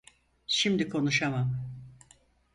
Şimdi konuşamam.